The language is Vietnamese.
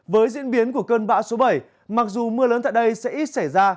với diễn biến của cơn bão số bảy mặc dù mưa lớn tại đây sẽ ít xảy ra